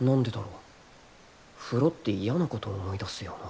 風呂って嫌なこと思い出すよな